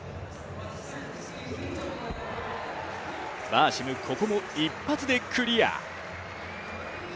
バーシム、ここも一発でクリア。